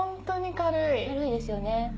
軽いですよね。